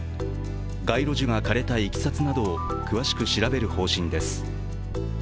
街路樹が枯れたいきさつなどを詳しく調べる方針です。